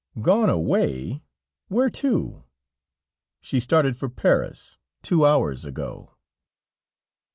"Gone away? Where to?" "She started for Paris two hours ago."